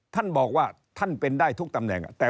ท่านบอกว่าท่านเป็นได้ทุกตำแหน่ง